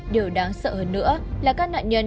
điều đáng sợ hơn nữa là các nạn nhân